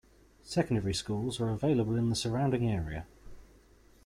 Secondary schools are available in the surrounding area.